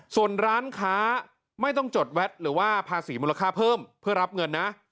ส่วนร้านค้าไม่ต้องจดแวดหรือว่าภาษีมูลค่าเพิ่มเพื่อรับเงินนะ